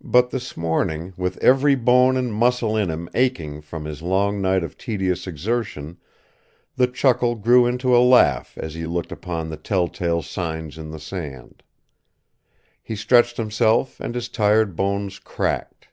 But this morning, with every bone and muscle in him aching from his long night of tedious exertion, the chuckle grew into a laugh as he looked upon the telltale signs in the sand. He stretched himself and his tired bones cracked.